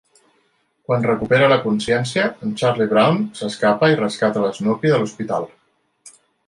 Quan recupera la consciència, en Charlie Brown s'escapa i rescata l'Snoopy de l'hospital.